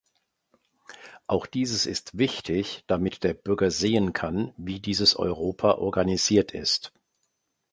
Auch dieses ist wichtig, damit der Bürger sehen kann, wie dieses Europa organisiert ist.